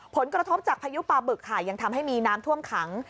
ผลกระทบจากพายุปลาบึกค่ะยังทำให้มีน้ำท่วมขัง